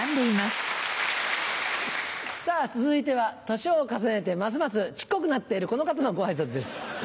さぁ続いては年を重ねてますます小っこくなってるこの方のご挨拶です。